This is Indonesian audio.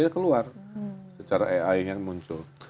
keluar secara ai yang muncul